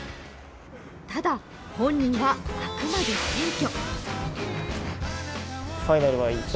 ただ、本人はあくまで謙虚。